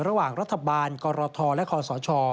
ระหว่างรัฐบาลกรทและคอสช